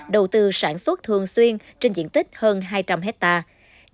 đầu tư sản xuất thường xuyên trên diện tích hơn hai trăm linh hectare